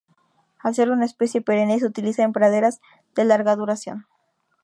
Al ser una especie perenne se utiliza en praderas de larga duración.